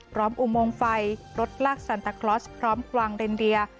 อุโมงไฟรถลากซันตาคลอสพร้อมกวางเรนเดีย